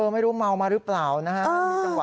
ไม่รู้เมามาหรือเปล่านะฮะ